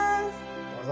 どうぞ。